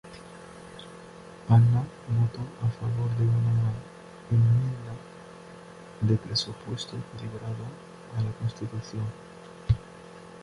Hanna votó a favor de una Enmienda de Presupuesto Equilibrada a la Constitución.